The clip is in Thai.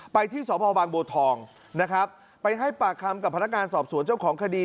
ไปที่สพบางบัวทองนะครับไปให้ปากคำกับพนักงานสอบสวนเจ้าของคดี